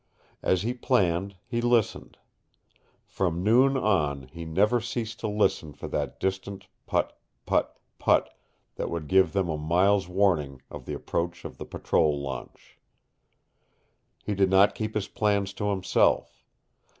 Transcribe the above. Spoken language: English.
As he planned, he listened. From noon on he never ceased to listen for that distant putt, putt, putt, that would give them a mile's warning of the approach of the patrol launch. He did not keep his plans to himself.